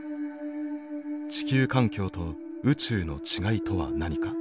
地球環境と宇宙の違いとは何か。